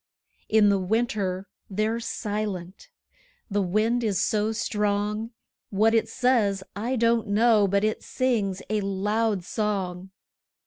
In the winter they're silent the wind is so strong; What it says, I don't know, but it sings a loud song.